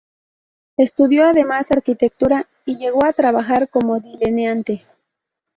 Estudió además Arquitectura, y llegó a trabajar como delineante.